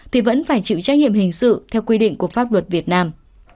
thì vẫn phải chịu trách nhiệm hình sự theo quy định của pháp luật việt nam